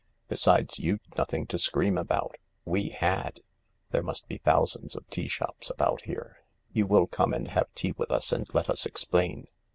Besides, you'd nothing to scream about. We had. There must be thousands of tea shop^ about here. You will come and have tea with us and let us explain